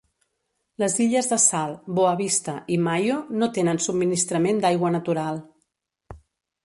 Les illes de Sal, Boa Vista, i Maio no tenen subministrament d'aigua natural.